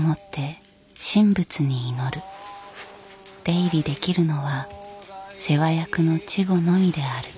出入りできるのは世話役の稚児のみである。